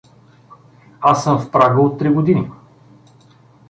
— Аз съм в Прага от три години.